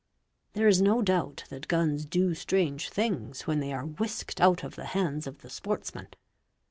There is no doubt that guns do strange + things when they are whisked out of the hands of the sportsman.